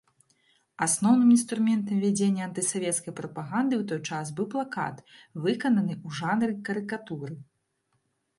Асноўным інструментам вядзення антысавецкай прапаганды ў той час быў плакат, выкананы ў жанры карыкатуры.